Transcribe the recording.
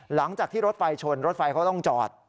หลังจากที่รถไฟชนรถไฟเขาต้องจอด